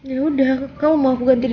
yaudah kamu mau aku ganti diri